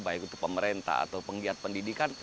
baik itu pemerintah atau penggiat pendidikan